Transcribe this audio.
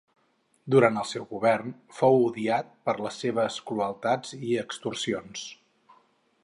Durant el seu govern fou odiat per les seves crueltats i extorsions.